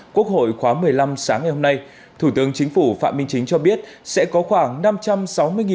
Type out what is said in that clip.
quốc hội khóa một mươi năm sáng ngày hôm nay thủ tướng chính phủ phạm minh chính cho biết sẽ có khoảng